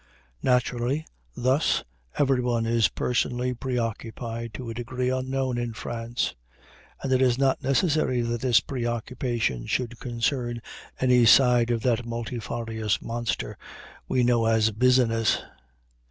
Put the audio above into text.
Naturally, thus, everyone is personally preoccupied to a degree unknown in France. And it is not necessary that this preoccupation should concern any side of that multifarious monster we know as "business."